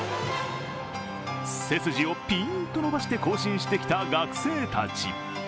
背筋をピンと伸ばして行進してきた学生たち。